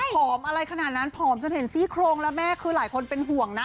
อะไรขนาดนั้นผอมจนเห็นซี่โครงแล้วแม่คือหลายคนเป็นห่วงนะ